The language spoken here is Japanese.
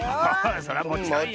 それはもちろんよ。